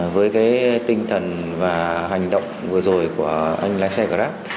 với cái tinh thần và hành động vừa rồi của anh lái xe grab